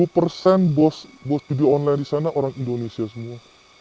dua puluh persen bos video online di sana orang indonesia semua